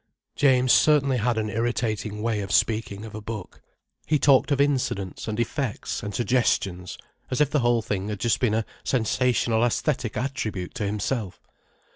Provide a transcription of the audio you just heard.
James certainly had an irritating way of speaking of a book. He talked of incidents, and effects, and suggestions, as if the whole thing had just been a sensational æsthetic attribute to himself.